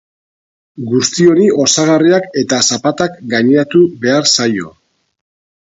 Guzti honi osagarriak eta zapatak gaineratu behar zaio.